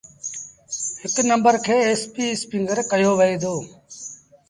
هڪ نمبر کي ايسپيٚ اسپيٚنگر ڪهيو وهي دو۔